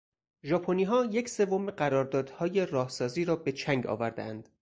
ژاپنیها یک سوم قراردادهای راهسازی را به چنگ آوردهاند.